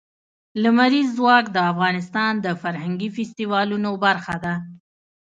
لمریز ځواک د افغانستان د فرهنګي فستیوالونو برخه ده.